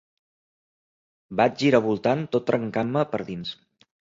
Vaig giravoltant tot trencant-me per dins.